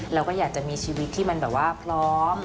เราก็อยากจะมีชีวิตที่มันแบบว่าพร้อม